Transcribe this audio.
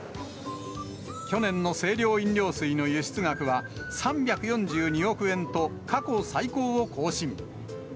去年の清涼飲料水の輸出額は３４２億円と過去最高を更新。